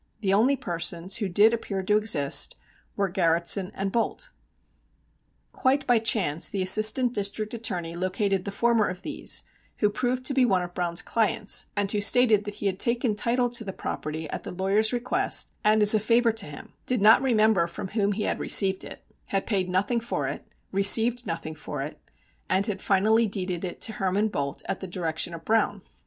The only persons who did appear to exist were Garretson and Bolte. Quite by chance the Assistant District Attorney located the former of these, who proved to be one of Browne's clients, and who stated that he had taken title to the property at the lawyer's request and as a favor to him, did not remember from whom he had received it, had paid nothing for it, received nothing for it, and had finally deeded it to Herman Bolte at the direction of Browne.